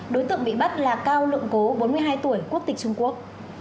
đối tượng bị bắt là cao lượng cố bốn mươi hai tuổi quốc tịch trung quốc